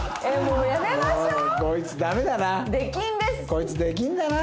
こいつ出禁だな。